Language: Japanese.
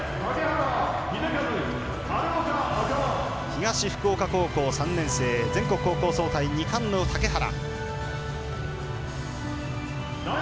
東福岡高校３年生全国高校総体２冠の竹原。